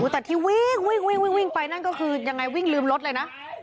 แต่ที่วิ่งวิ่งไปนั่นก็คือยังไงวิ่งลืมรถเลยนะ